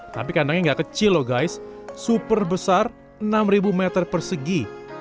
tapi kandangnya nggak kecil loh guys super besar enam ribu meter persegi